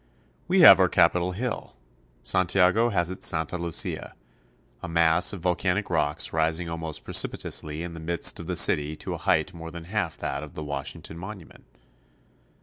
We have our Capitol Hill. Santiago has its Santa Lucia (loo se'a), a mass of volcanic rocks rising almost precipitously in the midst of the city to a height more than half that of the Washington Monument.